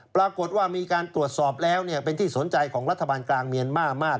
ปรากฏว่ามีการตรวจสอบแล้วเป็นที่สนใจของรัฐบาลกลางเมียนมาร์มาก